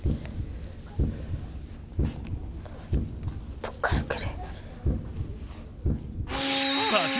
どっから来る？